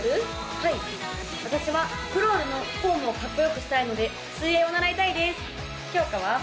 はい私はクロールのフォームをかっこよくしたいので水泳を習いたいですきょうかは？